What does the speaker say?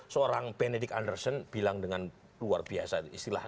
seorang benedict anderson bilang dengan luar biasa istilah